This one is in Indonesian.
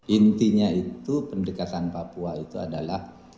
intinya itu pendekatan papua itu adalah